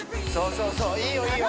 そうそういいよいいよ